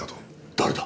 誰だ！？